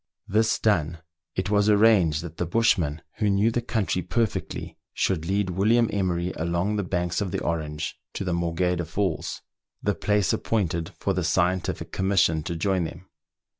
This done, it was arranged that the bushman, who knew the country perfectly, should lead William Emery along the banks of the Orange to the Morgheda Falls, the place appointed for the scientific commission to join them.